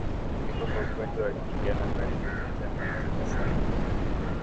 Vifo kwa ugonjwa wa ndigana baridi hutokea mara chache sana